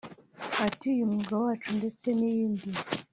Ati “Uyu mwuga wacu ndetse n’iyindi